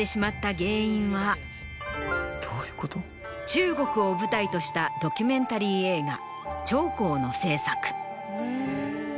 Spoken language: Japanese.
中国を舞台としたドキュメンタリー映画『長江』の制作。